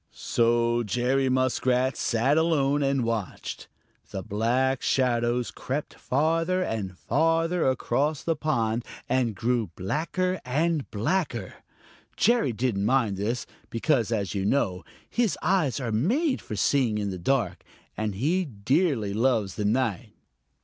So Jerry Muskrat sat alone and watched. The black shadows crept farther and farther across the pond and grew blacker and blacker. Jerry didn't mind this, because, as you know, his eyes are made for seeing in the dark, and he dearly loves the night.